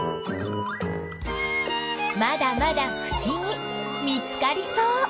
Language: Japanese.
まだまだふしぎ見つかりそう。